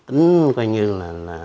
tính coi như là